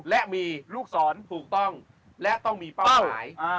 และมีลูกศรถูกต้องและต้องมีเป้าหมาย